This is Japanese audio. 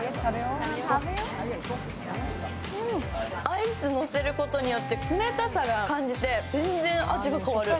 アイスのせることによって冷たさを感じて全然、味が変わる。